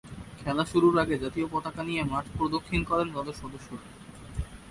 খেলা শুরুর আগে জাতীয় পতাকা নিয়ে মাঠ প্রদক্ষিণ করেন দলের সদস্যরা।